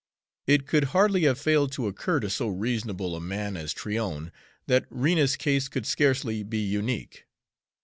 It could hardly have failed to occur to so reasonable a man as Tryon that Rena's case could scarcely be unique.